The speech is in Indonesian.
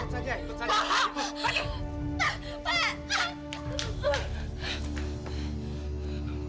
salah yang mengulang mak